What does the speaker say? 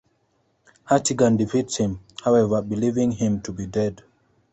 Hartigan defeats him, however, believing him to be dead.